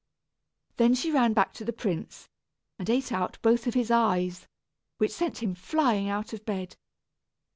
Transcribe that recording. Then she ran back to the prince, and ate out both of his eyes, which sent him flying out of bed.